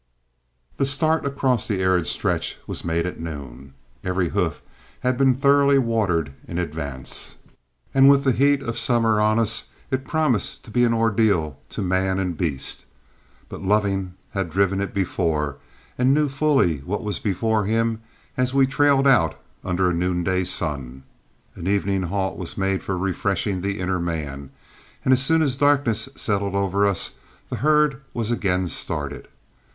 The start across the arid stretch was made at noon. Every hoof had been thoroughly watered in advance, and with the heat of summer on us it promised to be an ordeal to man and beast. But Loving had driven it before, and knew fully what was before him as we trailed out under a noonday sun. An evening halt was made for refreshing the inner man, and as soon as darkness settled over us the herd was again started.